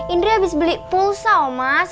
indri abis beli pulsa omas